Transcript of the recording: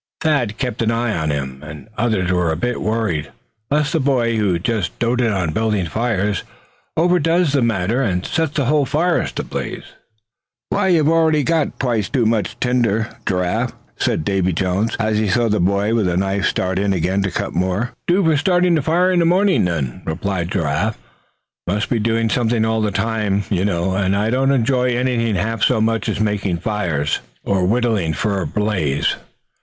Thad kept an eye on him, and others were a bit worried lest the boy who just doted on building fires overdo the matter, and set the forest ablaze. "Why, you've already got twice too much tinder, Giraffe," remonstrated Davy Jones, as he saw the boy with the knife start in again to cut more. "Do for starting the fire in the morning then," replied Giraffe. "Must be doing something all the time, you know; and I don't enjoy anything half so much as making whittlings for a blaze.